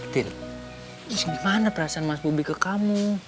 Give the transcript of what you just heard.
tin terus gimana perasaan mas bobi ke kamu